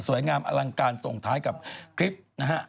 งามอลังการส่งท้ายกับคลิปนะฮะ